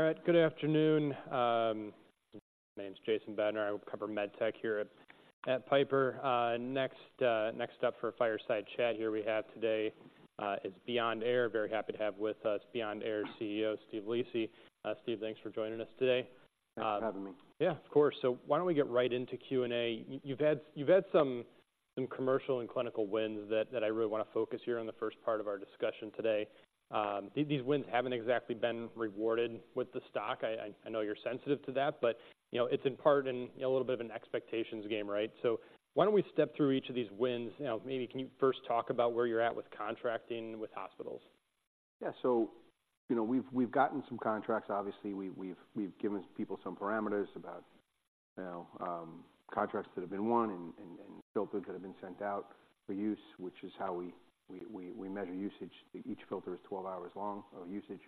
All right, good afternoon. My name's Jason Bednar. I cover med tech here at Piper. Next up for a fireside chat here we have today is Beyond Air. Very happy to have with us Beyond Air's CEO, Steve Lisi. Steve, thanks for joining us today. Thanks for having me. Yeah, of course. So why don't we get right into Q&A? You've had some commercial and clinical wins that I really wanna focus on here in the first part of our discussion today. These wins haven't exactly been rewarded with the stock. I know you're sensitive to that, but you know, it's in part, and you know, a little bit of an expectations game, right? So why don't we step through each of these wins? You know, maybe can you first talk about where you're at with contracting with hospitals? Yeah. So, you know, we've gotten some contracts. Obviously, we've given people some parameters about, you know, contracts that have been won and filters that have been sent out for use, which is how we measure usage. Each filter is 12 hours long of usage.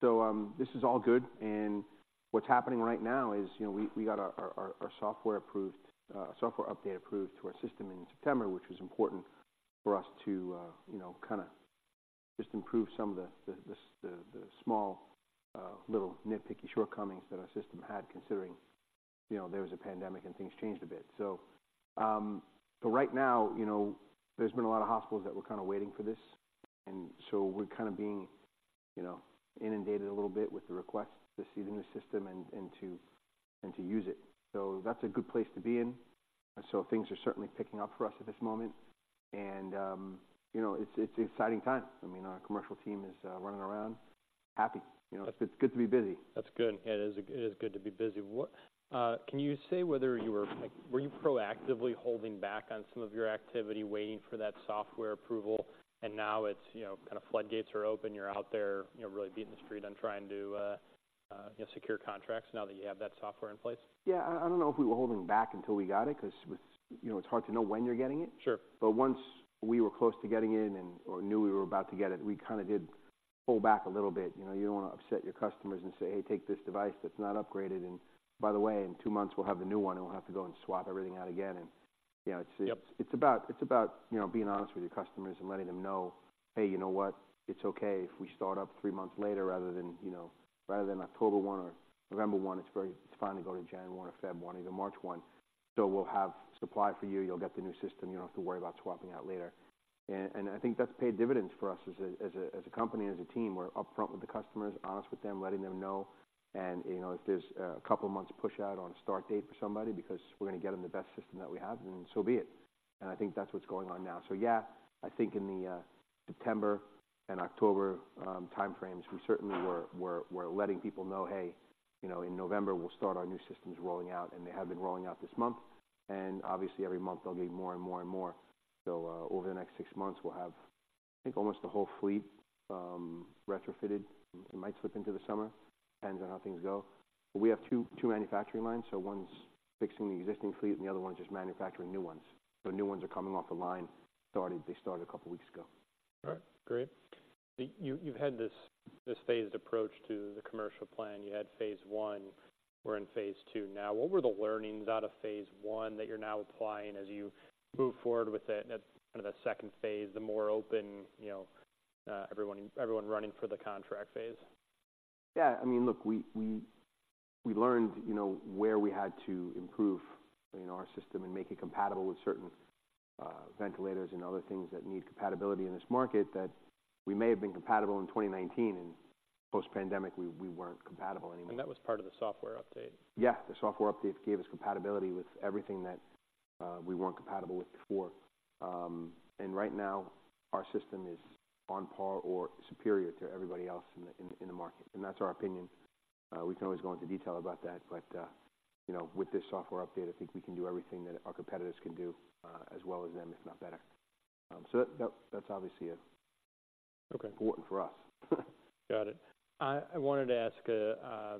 So, this is all good, and what's happening right now is, you know, we got our software approved, software update approved to our system in September, which was important for us to, you know, kind of just improve some of the small little nitpicky shortcomings that our system had, considering, you know, there was a pandemic and things changed a bit. So, but right now, you know, there's been a lot of hospitals that were kind of waiting for this, and so we're kind of being, you know, inundated a little bit with the requests to see the new system and to use it. So that's a good place to be in. And so things are certainly picking up for us at this moment, and, you know, it's exciting times. I mean, our commercial team is running around happy. You know, it's good to be busy. That's good. Yeah, it is, it is good to be busy. What can you say whether you were... Like, were you proactively holding back on some of your activity, waiting for that software approval, and now it's, you know, kind of floodgates are open, you're out there, you know, really beating the street on trying to, you know, secure contracts now that you have that software in place? Yeah, I don't know if we were holding back until we got it, 'cause with, you know, it's hard to know when you're getting it. Sure. But once we were close to getting it in and/or knew we were about to get it, we kind of did pull back a little bit. You know, you don't wanna upset your customers and say, "Hey, take this device that's not upgraded, and by the way, in two months, we'll have the new one, and we'll have to go and swap everything out again." And, you know, it's. Yep ...it's about, you know, being honest with your customers and letting them know, "Hey, you know what? It's okay if we start up three months later, rather than, you know, rather than October 1 or November 1, it's very—it's fine to go to January, or February, or March 1. So we'll have supply for you. You'll get the new system. You don't have to worry about swapping out later." And I think that's paid dividends for us as a company and as a team. We're upfront with the customers, honest with them, letting them know. And, you know, if there's a couple of months push-out on a start date for somebody because we're gonna get them the best system that we have, then so be it. And I think that's what's going on now. So yeah, I think in the September and October time frames, we certainly were letting people know, "Hey, you know, in November, we'll start our new systems rolling out," and they have been rolling out this month, and obviously, every month they'll be more and more and more. So over the next six months, we'll have, I think, almost the whole fleet retrofitted. It might slip into the summer, depends on how things go. But we have two manufacturing lines, so one's fixing the existing fleet and the other one's just manufacturing new ones. So new ones are coming off the line. They started a couple of weeks ago. All right, great. You've had this phased approach to the commercial plan. You had phase one. We're in phase two now. What were the learnings out of phase one that you're now applying as you move forward with the kind of the second phase, the more open, you know, everyone running for the contract phase? Yeah, I mean, look, we learned, you know, where we had to improve, you know, our system and make it compatible with certain ventilators and other things that need compatibility in this market, that we may have been compatible in 2019, and post-pandemic, we weren't compatible anymore. That was part of the software update? Yeah, the software update gave us compatibility with everything that we weren't compatible with before. And right now, our system is on par or superior to everybody else in the market, and that's our opinion. We can always go into detail about that, but you know, with this software update, I think we can do everything that our competitors can do, as well as them, if not better. So that's obviously. Okay... important for us. Got it. I wanted to ask, I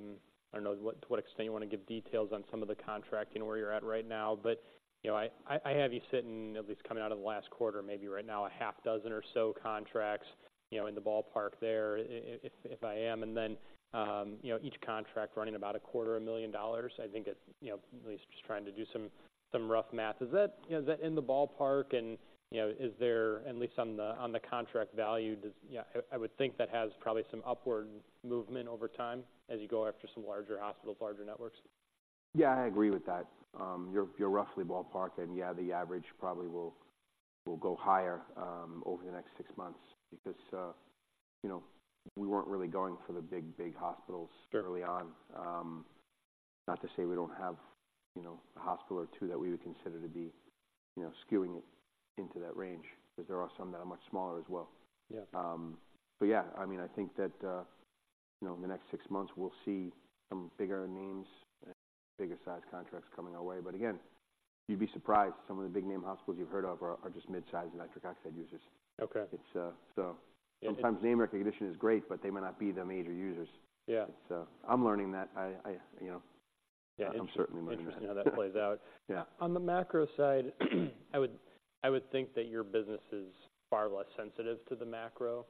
don't know what to what extent you wanna give details on some of the contracting, where you're at right now, but, you know, I have you sitting, at least coming out of the last quarter, maybe right now, 6 or so contracts, you know, in the ballpark there, if I am, and then, you know, each contract running about $250,000. I think it's, you know, at least just trying to do some rough math. Is that, you know, is that in the ballpark? And, you know, is there, at least on the, on the contract value, does... Yeah, I would think that has probably some upward movement over time as you go after some larger hospitals, larger networks. Yeah, I agree with that. You're roughly ballparks, and yeah, the average probably will go higher over the next six months because, you know, we weren't really going for the big, big hospitals- Sure... early on. Not to say we don't have, you know, a hospital or two that we would consider to be, you know, skewing it into that range, because there are some that are much smaller as well. Yeah. But yeah, I mean, I think that, you know, in the next six months, we'll see some bigger names and bigger-sized contracts coming our way. But again, you'd be surprised, some of the big-name hospitals you've heard of are just mid-sized nitric oxide users. Okay. It's... Yeah... sometimes name recognition is great, but they may not be the major users. Yeah. I'm learning that. You know- Yeah, inter-... I'm certainly learning that. Interesting how that plays out. Yeah. On the macro side, I would think that your business is far less sensitive to the macro.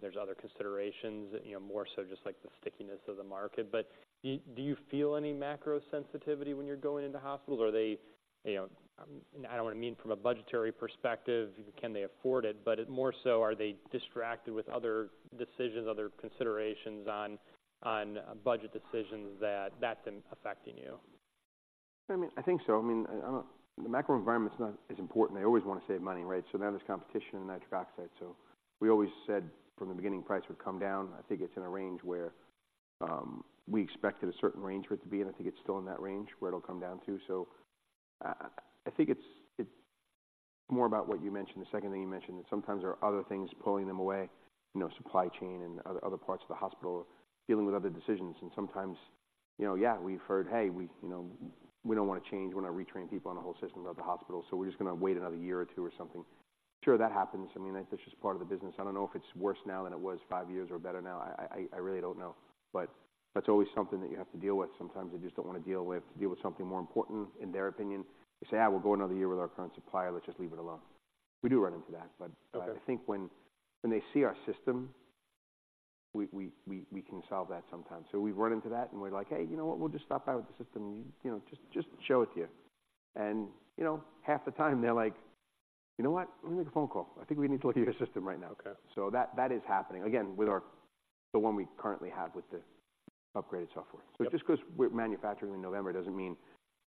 There's other considerations, you know, more so just like the stickiness of the market. But do you feel any macro sensitivity when you're going into hospitals, or are they, you know... I don't wanna mean from a budgetary perspective, can they afford it? But more so, are they distracted with other decisions, other considerations on, on budget decisions that that's been affecting you?... I mean, I think so. I mean, I don't, the macro environment's not as important. They always want to save money, right? So now there's competition in nitric oxide. So we always said from the beginning, price would come down. I think it's in a range where we expected a certain range for it to be in. I think it's still in that range where it'll come down to. So I think it's more about what you mentioned, the second thing you mentioned, that sometimes there are other things pulling them away, you know, supply chain and other parts of the hospital dealing with other decisions. And sometimes, you know, yeah, we've heard, "Hey, we, you know, we don't want to change. We want to retrain people on the whole system throughout the hospital, so we're just going to wait another year or two or something." Sure, that happens. I mean, that's just part of the business. I don't know if it's worse now than it was five years or better now. I really don't know, but that's always something that you have to deal with. Sometimes they just don't want to deal with something more important, in their opinion. They say, "Ah, we'll go another year with our current supplier. Let's just leave it alone." We do run into that, but- Okay... I think when they see our system, we can solve that sometimes. So we've run into that, and we're like: Hey, you know what? We'll just stop by with the system, you know, just show it to you. And, you know, half the time they're like, "You know what? Let me make a phone call. I think we need to look at your system right now. Okay. That is happening, again, with our, the one we currently have with the upgraded software. Yep. So just because we're manufacturing in November doesn't mean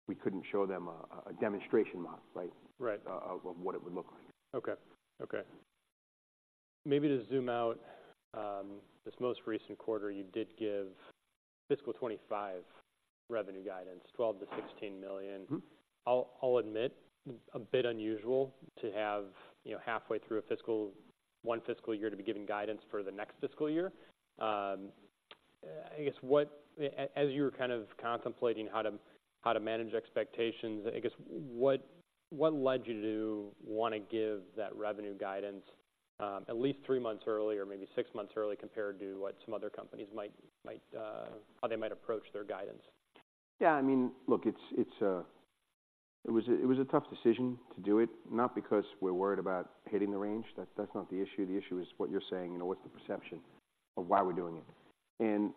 we couldn't show them a demonstration model, right? Right. Of what it would look like. Okay. Okay, maybe to zoom out, this most recent quarter, you did give fiscal 2025 revenue guidance, $12 million-$16 million. Mm-hmm. I'll admit, a bit unusual to have, you know, halfway through one fiscal year to be giving guidance for the next fiscal year. I guess as you were kind of contemplating how to manage expectations, I guess, what led you to want to give that revenue guidance at least three months early or maybe six months early, compared to what some other companies might how they might approach their guidance? Yeah, I mean, look, it's a tough decision to do it, not because we're worried about hitting the range. That's not the issue. The issue is what you're saying, you know, what's the perception of why we're doing it? And,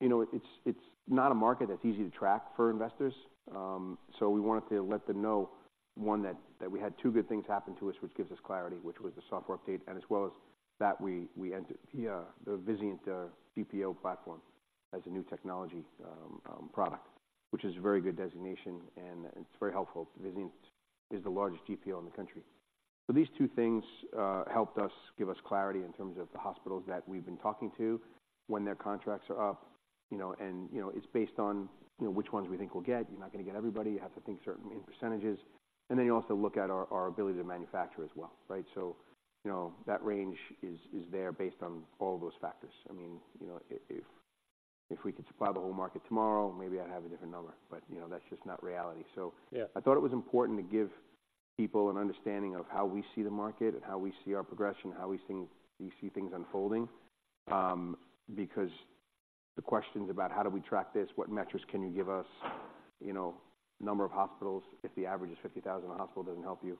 you know, it's not a market that's easy to track for investors. So we wanted to let them know, one, that we had two good things happen to us, which gives us clarity, which was the software update, and as well as that, we entered the Vizient GPO platform as a new technology product, which is a very good designation, and it's very helpful. Vizient is the largest GPO in the country. So these two things helped us give us clarity in terms of the hospitals that we've been talking to, when their contracts are up, you know, and, you know, it's based on, you know, which ones we think we'll get. You're not going to get everybody. You have to think certain in percentages, and then you also look at our ability to manufacture as well, right? So, you know, that range is there based on all those factors. I mean, you know, if we could supply the whole market tomorrow, maybe I'd have a different number, but, you know, that's just not reality. So- Yeah... I thought it was important to give people an understanding of how we see the market and how we see our progression, how we think we see things unfolding. Because the questions about: How do we track this? What metrics can you give us? You know, number of hospitals, if the average is 50,000 a hospital, doesn't help you.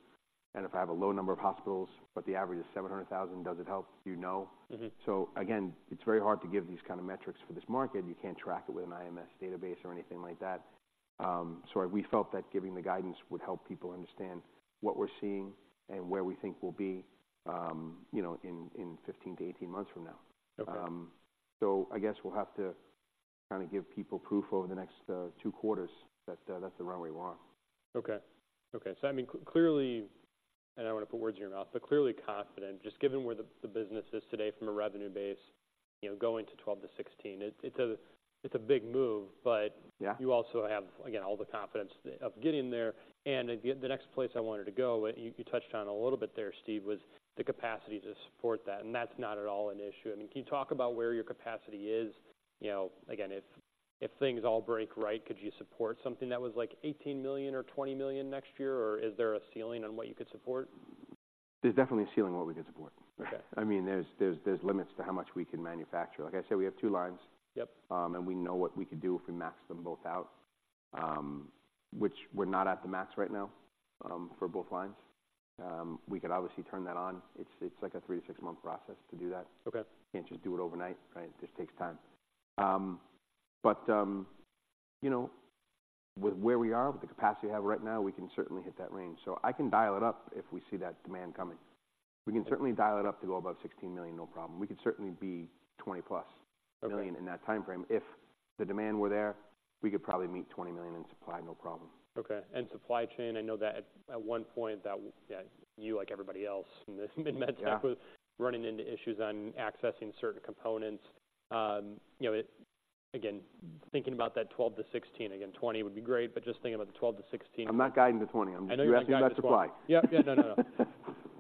And if I have a low number of hospitals, but the average is 700,000, does it help you know? Mm-hmm. Again, it's very hard to give these kind of metrics for this market. You can't track it with an IMS database or anything like that. We felt that giving the guidance would help people understand what we're seeing and where we think we'll be, you know, in 15-18 months from now. Okay. I guess we'll have to kind of give people proof over the next two quarters that that's the runway we're on. Okay. Okay, so I mean, clearly, and I don't want to put words in your mouth, but clearly confident, just given where the business is today from a revenue base, you know, going to 12-16, it's a big move, but- Yeah... you also have, again, all the confidence of getting there. And the next place I wanted to go, and you touched on a little bit there, Steve, was the capacity to support that, and that's not at all an issue. I mean, can you talk about where your capacity is? You know, again, if things all break right, could you support something that was like $18 million or $20 million next year, or is there a ceiling on what you could support? There's definitely a ceiling on what we could support. Okay. I mean, there's limits to how much we can manufacture. Like I said, we have two lines. Yep. We know what we could do if we max them both out, which we're not at the max right now, for both lines. We could obviously turn that on. It's like a 3-6-month process to do that. Okay. Can't just do it overnight, right? It just takes time. But, you know, with where we are, with the capacity we have right now, we can certainly hit that range. So I can dial it up if we see that demand coming. Okay. We can certainly dial it up to go above $16 million, no problem. We could certainly be $20+ million- Okay... million in that timeframe. If the demand were there, we could probably meet $20 million in supply, no problem. Okay, and supply chain, I know that at one point, that you, like everybody else, in this med tech- Yeah... was running into issues on accessing certain components. You know, again, thinking about that 12-16, again, 20 would be great, but just thinking about the 12-16- I'm not guiding to 20. I know you're not guiding- You're asking about supply. Yep. Yeah. No, no, no.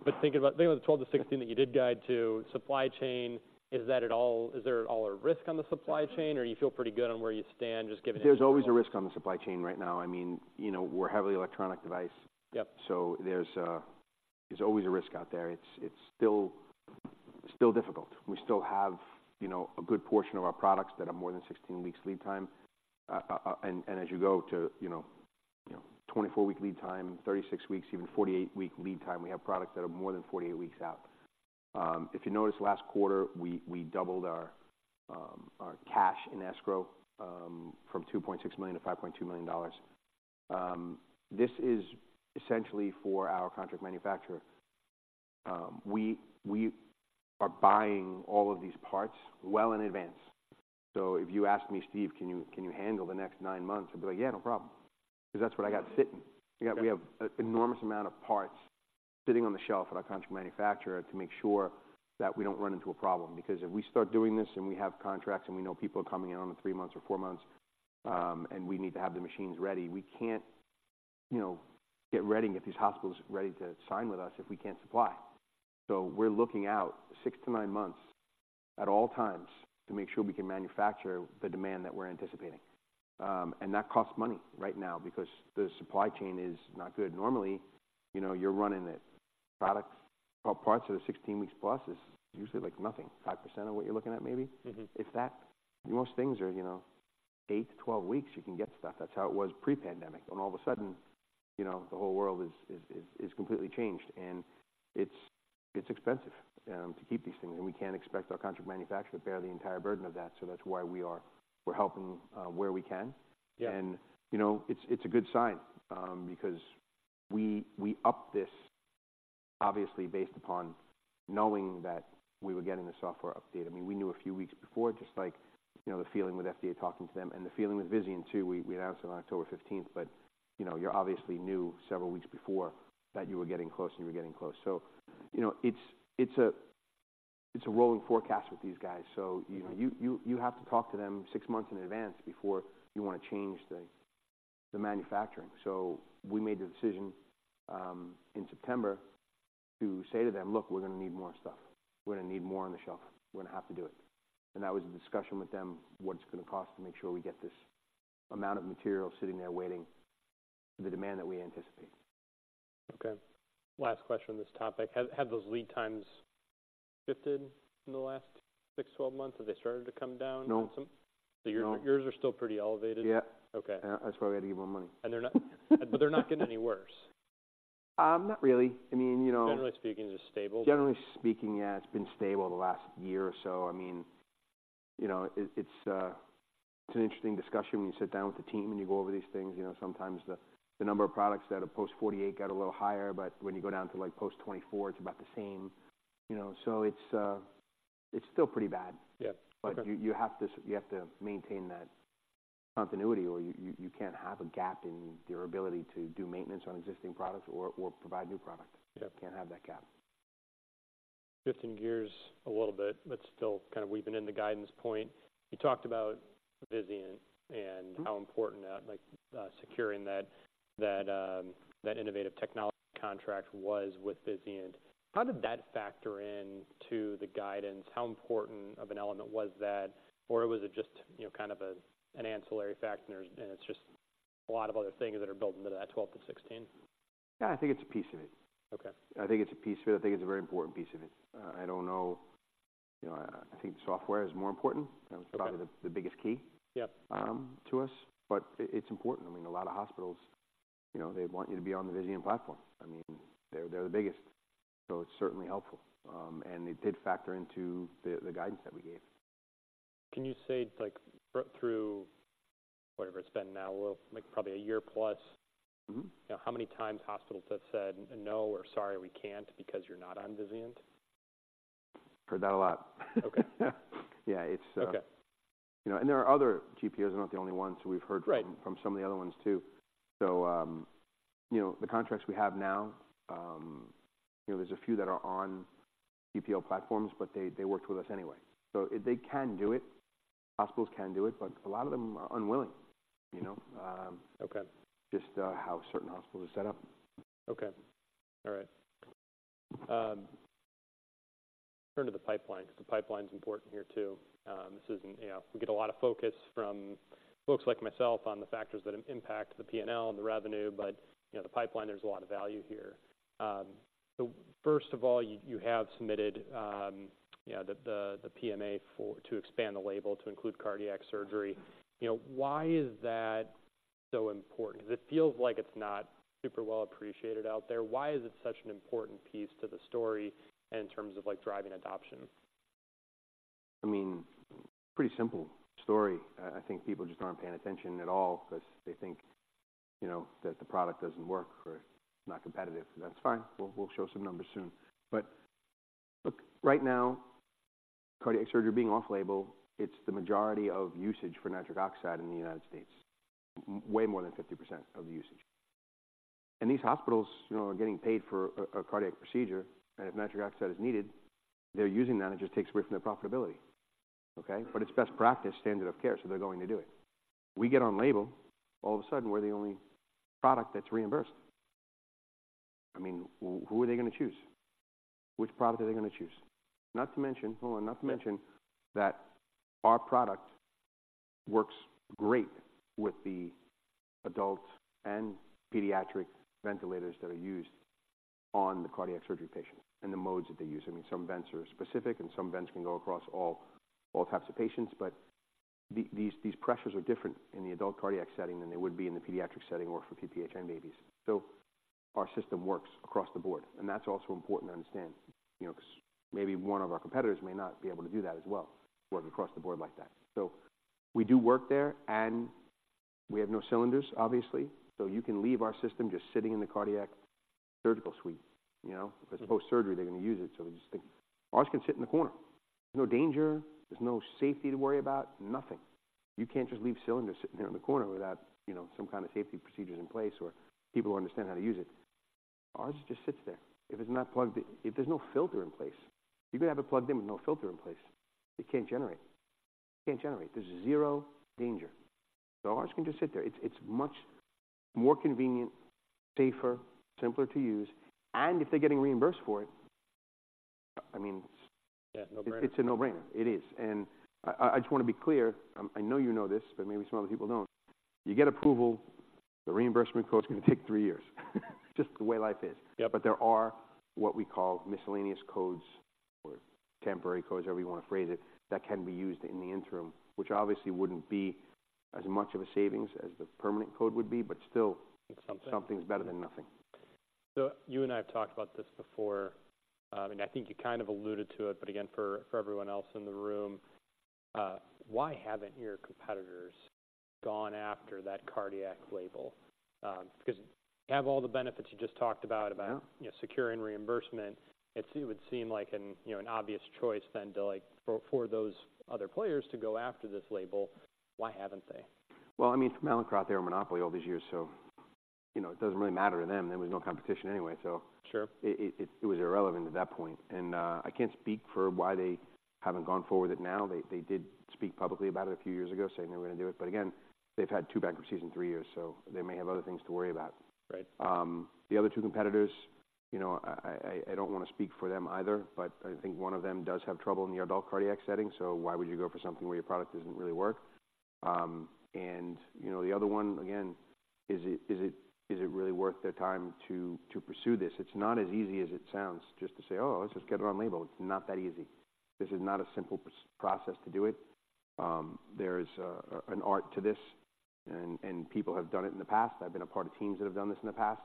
But thinking about the 12-16 that you did guide to, supply chain, is there at all a risk on the supply chain, or you feel pretty good on where you stand, just given- There's always a risk on the supply chain right now. I mean, you know, we're a heavily electronic device. Yep. So there's always a risk out there. It's still difficult. We still have, you know, a good portion of our products that have more than 16 weeks lead time, and as you go to, you know, 24-week lead time, 36 weeks, even 48-week lead time, we have products that are more than 48 weeks out. If you noticed, last quarter, we doubled our cash in escrow from $2.6 million to $5.2 million. This is essentially for our contract manufacturer. We are buying all of these parts well in advance. So if you ask me, "Steve, can you handle the next nine months?" I'd be like: "Yeah, no problem," because that's what I got sitting. Yep. We have an enormous amount of parts sitting on the shelf at our contract manufacturer to make sure that we don't run into a problem. Because if we start doing this, and we have contracts, and we know people are coming in on the 3 months or 4 months, and we need to have the machines ready, we can't, you know, get ready and get these hospitals ready to sign with us if we can't supply. So we're looking out 6-9 months at all times to make sure we can manufacture the demand that we're anticipating. And that costs money right now because the supply chain is not good. Normally, you know, you're running a product, well, parts of the 16 weeks plus is usually like nothing, 5% of what you're looking at, maybe. Mm-hmm. If that. Most things are, you know, 8-12 weeks, you can get stuff. That's how it was pre-pandemic. Then all of a sudden, you know, the whole world is completely changed, and it's expensive to keep these things. And we can't expect our contract manufacturer to bear the entire burden of that, so that's why we are, we're helping where we can. Yeah. You know, it's a good sign, because we upped this obviously based upon knowing that we were getting the software update. I mean, we knew a few weeks before, just like, you know, the feeling with FDA talking to them and the feeling with Vizient, too. We announced it on October fifteenth, but, you know, you obviously knew several weeks before that you were getting close, and you were getting close. So, you know, it's a rolling forecast with these guys, so- Mm-hmm. You have to talk to them six months in advance before you want to change the manufacturing. So we made the decision in September to say to them: "Look, we're gonna need more stuff. We're gonna need more on the shelf. We're gonna have to do it." And that was a discussion with them, what it's gonna cost to make sure we get this amount of material sitting there waiting for the demand that we anticipate. Okay, last question on this topic. Have those lead times shifted in the last 6-12 months? Have they started to come down at some- No. So yours- No. Yours are still pretty elevated? Yeah. Okay. Yeah, that's why we had to give them more money. And they're not... But they're not getting any worse? Not really. I mean, you know- Generally speaking, they're stable. Generally speaking, yeah, it's been stable the last year or so. I mean, you know, it's an interesting discussion when you sit down with the team and you go over these things. You know, sometimes the number of products that are post 48 got a little higher, but when you go down to, like, post 24, it's about the same. You know, so it's still pretty bad. Yeah. Okay. But you have to maintain that continuity, or you can't have a gap in your ability to do maintenance on existing products or provide new products. Yeah. You can't have that gap. Shifting gears a little bit, but still kind of weaving in the guidance point. You talked about Vizient- Mm-hmm. And how important that, like, securing that Innovative Technology contract was with Vizient. How did that factor into the guidance? How important of an element was that, or was it just, you know, kind of an ancillary factor, and it's just a lot of other things that are built into that $12-$16? Yeah, I think it's a piece of it. Okay. I think it's a piece of it. I think it's a very important piece of it. I don't know. You know, I think the software is more important. Okay. That was probably the biggest key- Yep... to us, but it's important. I mean, a lot of hospitals, you know, they want you to be on the Vizient platform. I mean, they're the biggest, so it's certainly helpful. And it did factor into the guidance that we gave. Can you say, like, through whatever it's been now, well, like, probably a year plus? Mm-hmm. how many times hospitals have said no or sorry, we can't because you're not on Vizient? Heard that a lot. Okay. Yeah, it's- Okay. You know, and there are other GPOs, they're not the only ones we've heard from. Right. From some of the other ones, too. So, you know, the contracts we have now, you know, there's a few that are on GPO platforms, but they, they worked with us anyway. So they can do it. Hospitals can do it, but a lot of them are unwilling, you know, Okay. Just, how certain hospitals are set up. Okay. All right. Turn to the pipeline, because the pipeline's important here, too. This isn't... You know, we get a lot of focus from folks like myself on the factors that impact the P&L and the revenue, but, you know, the pipeline, there's a lot of value here. So first of all, you have submitted, you know, the PMA for to expand the label to include cardiac surgery. You know, why is that so important? Because it feels like it's not super well appreciated out there. Why is it such an important piece to the story in terms of, like, driving adoption? I mean, pretty simple story. I, I think people just aren't paying attention at all because they think, you know, that the product doesn't work or it's not competitive. That's fine. We'll, we'll show some numbers soon. But look, right now, cardiac surgery being off label, it's the majority of usage for nitric oxide in the United States. Way more than 50% of the usage. And these hospitals, you know, are getting paid for a, a cardiac procedure, and if nitric oxide is needed, they're using that, and it just takes away from their profitability, okay? But it's best practice, standard of care, so they're going to do it. We get on label, all of a sudden, we're the only product that's reimbursed. I mean, w- who are they gonna choose? Which product are they gonna choose? Not to mention, hold on. Yeah. Not to mention that our product works great with the adult and pediatric ventilators that are used on the cardiac surgery patient and the modes that they use. I mean, some vents are specific and some vents can go across all types of patients, but these pressures are different in the adult cardiac setting than they would be in the pediatric setting or for PPHN babies. So our system works across the board, and that's also important to understand, you know, because maybe one of our competitors may not be able to do that as well, work across the board like that. So we do work there, and we have no cylinders, obviously, so you can leave our system just sitting in the cardiac surgical suite. You know? Mm-hmm. If it's post-surgery, they're gonna use it, so we just think ours can sit in the corner. There's no danger. There's no safety to worry about, nothing. You can't just leave cylinders sitting there in the corner without, you know, some kind of safety procedures in place or people who understand how to use it. Ours just sits there. If it's not plugged in... If there's no filter in place, you could have it plugged in with no filter in place. It can't generate. It can't generate. There's zero danger, so ours can just sit there. It's, it's much more convenient, safer, simpler to use, and if they're getting reimbursed for it, I mean- Yeah, no-brainer. It's a no-brainer. It is. And I just wanna be clear, I know you know this, but maybe some other people don't. You get approval, the reimbursement code's gonna take three years just the way life is. Yep. But there are what we call miscellaneous codes or temporary codes, however you wanna phrase it, that can be used in the interim, which obviously wouldn't be as much of a savings as the permanent code would be, but still- It's something. Something's better than nothing. So you and I have talked about this before, and I think you kind of alluded to it, but again, for everyone else in the room, why haven't your competitors gone after that cardiac label? Because you have all the benefits you just talked about- Yeah... about, you know, securing reimbursement. It would seem like an, you know, an obvious choice then to like, for those other players to go after this label. Why haven't they? Well, I mean, Mallinckrodt, they were a monopoly all these years, so, you know, it doesn't really matter to them. There was no competition anyway, so- Sure... it was irrelevant at that point. And, I can't speak for why they haven't gone forward with it now. They did speak publicly about it a few years ago, saying they were gonna do it, but again, they've had two bankruptcies in three years, so they may have other things to worry about. Right. The other two competitors, you know, I don't wanna speak for them either, but I think one of them does have trouble in the adult cardiac setting, so why would you go for something where your product doesn't really work? And, you know, the other one, again, is it really worth their time to pursue this? It's not as easy as it sounds, just to say, "Oh, let's just get it on label." It's not that easy. This is not a simple process to do it. There's an art to this, and people have done it in the past. I've been a part of teams that have done this in the past.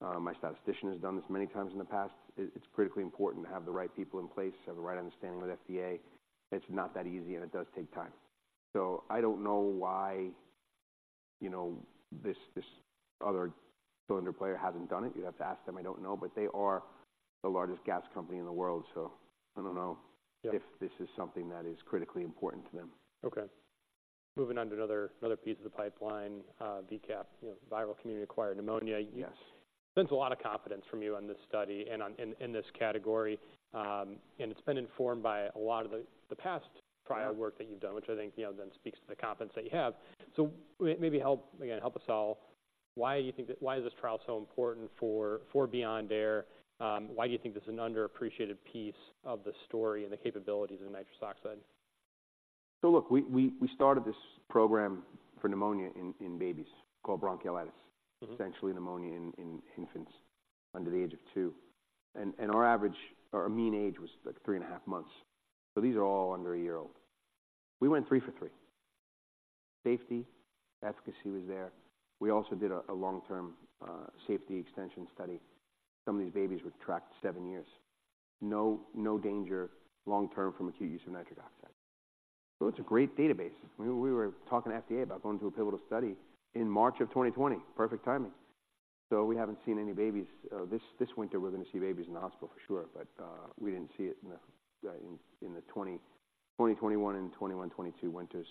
My statistician has done this many times in the past. It's critically important to have the right people in place, have the right understanding with FDA. It's not that easy, and it does take time. So I don't know why, you know, this other cylinder player hasn't done it. You'd have to ask them. I don't know, but they are the largest gas company in the world, so I don't know- Yeah... if this is something that is critically important to them. Okay. Moving on to another piece of the pipeline, VCAP, you know, Viral Community-Acquired Pneumonia. Yes. There's a lot of confidence from you on this study and in this category, and it's been informed by a lot of the past- Yeah... prior work that you've done, which I think, you know, then speaks to the confidence that you have. So maybe help, again, help us all, why you think that... Why is this trial so important for Beyond Air? Why do you think this is an underappreciated piece of the story and the capabilities of nitric oxide? So look, we started this program for pneumonia in babies, called bronchiolitis. Mm-hmm. Essentially pneumonia in infants under the age of two, and our average, our mean age was, like, 3.5 months. So these are all under a year old. We went 3 for 3. Safety, efficacy was there. We also did a long-term safety extension study. Some of these babies were tracked 7 years. No, no danger long term from acute use of nitric oxide. So it's a great database. We were talking to FDA about going to a pivotal study in March of 2020. Perfect timing. So we haven't seen any babies... This winter we're gonna see babies in the hospital for sure, but we didn't see it in the 2020-2021 and 2021-2022 winters.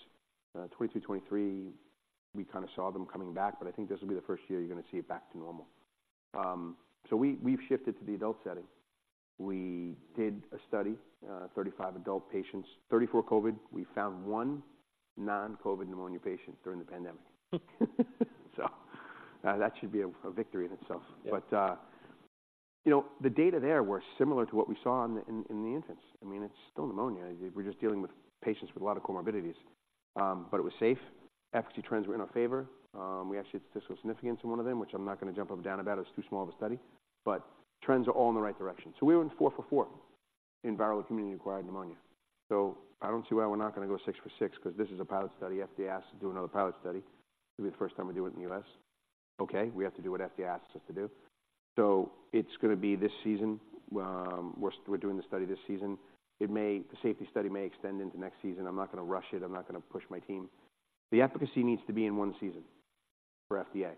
2023, we kind of saw them coming back, but I think this will be the first year you're gonna see it back to normal. So we've shifted to the adult setting. We did a study, 35 adult patients, 34 COVID. We found one non-COVID pneumonia patient during the pandemic. So, that should be a victory in itself. Yeah. But, you know, the data there were similar to what we saw in the infants. I mean, it's still pneumonia. We're just dealing with patients with a lot of comorbidities. But it was safe. Efficacy trends were in our favor. We actually had statistical significance in one of them, which I'm not gonna jump up and down about. It's too small of a study, but trends are all in the right direction. So we were 4 for 4 in viral community-acquired pneumonia. So I don't see why we're not gonna go 6 for 6, 'cause this is a pilot study. FDA asked us to do another pilot study. It'll be the first time we do it in the U.S. Okay, we have to do what FDA asks us to do. So it's gonna be this season. We're doing the study this season. It may. The safety study may extend into next season. I'm not gonna rush it. I'm not gonna push my team. The efficacy needs to be in one season for FDA.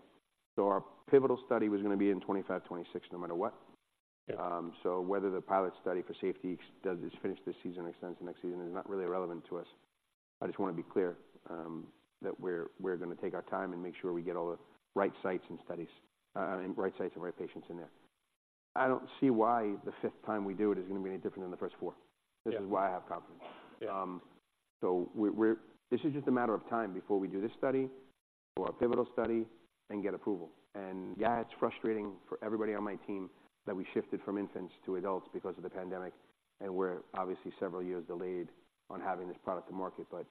So our pivotal study was gonna be in 2025, 2026, no matter what. Yeah. So whether the pilot study for safety does it finish this season, extends to next season, is not really relevant to us. I just wanna be clear, that we're, we're gonna take our time and make sure we get all the right sites and studies, and right sites and right patients in there. I don't see why the fifth time we do it is gonna be any different than the first four. Yeah. This is why I have confidence. Yeah. This is just a matter of time before we do this study or a pivotal study and get approval. Yeah, it's frustrating for everybody on my team that we shifted from infants to adults because of the pandemic, and we're obviously several years delayed on having this product to market, but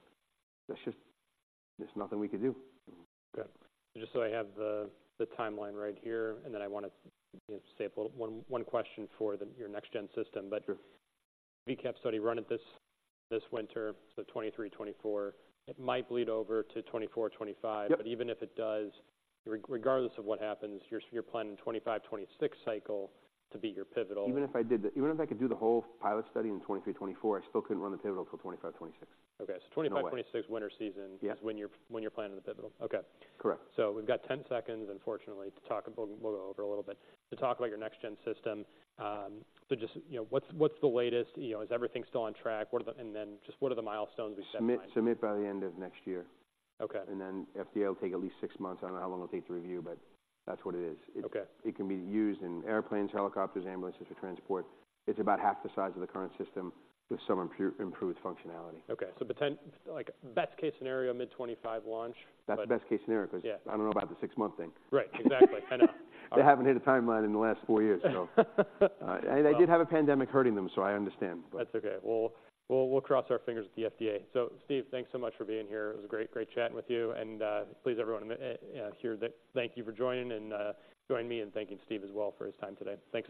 there's just nothing we could do. Mm-hmm. Okay. Just so I have the timeline right here, and then I wanna, you know, save one question for your next-gen system. Sure. VCAP study run at this winter, so 2023-2024. It might bleed over to 2024-2025. Yep. But even if it does, regardless of what happens, you're planning 2025-2026 cycle to be your pivotal. Even if I could do the whole pilot study in 2023-2024, I still couldn't run the pivotal until 2025-2026. Okay. No way. So 2025-2026 winter season- Yeah... is when you're planning the pivotal. Okay. Correct. So we've got 10 seconds, unfortunately, to talk... We'll go over a little bit. To talk about your next-gen system. So just, you know, what's the latest? You know, is everything still on track? What are the... And then just what are the milestones we set in mind? Submit, submit by the end of next year. Okay. And then FDA will take at least six months. I don't know how long it'll take to review, but that's what it is. Okay. It can be used in airplanes, helicopters, ambulances for transport. It's about half the size of the current system with some improved functionality. Okay, so like, best case scenario, mid 2025 launch? That's the best case scenario. Yeah... 'cause I don't know about the 6-month thing. Right. Exactly. I know. They haven't hit a timeline in the last four years, and they did have a pandemic hurting them, so I understand. That's okay. We'll cross our fingers at the FDA. So Steve, thanks so much for being here. It was great, great chatting with you, and please, everyone here, thank you for joining, and join me in thanking Steve as well for his time today. Thanks a lot.